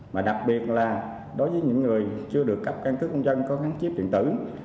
mà đặc biệt là đối với những người chưa được cấp căn cứ công dân có kháng chiếc điện tử